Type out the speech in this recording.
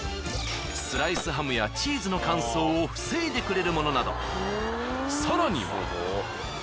スライスハムやチーズの乾燥を防いでくれるものなど更には。